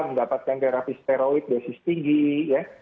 mendapatkan terapi steroid dosis tinggi ya